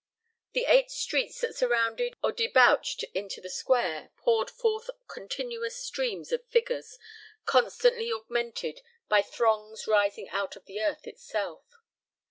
The eight streets that surrounded or debouched into the Square poured forth continuous streams of figures, constantly augmented by throngs rising out of the earth itself.